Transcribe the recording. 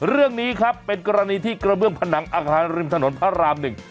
เรื่องนี้ครับเป็นกรณีที่กระเบื้องผนังอาคารริมถนนพระรามหนึ่ง